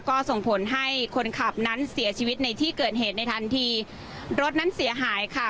ก็ส่งผลให้คนขับนั้นเสียชีวิตในที่เกิดเหตุในทันทีรถนั้นเสียหายค่ะ